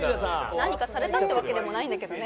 何かされたってわけでもないんだけどね。